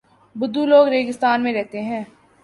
بدو لوگ ریگستان میں رہتے ہیں۔